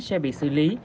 sẽ bị xử lý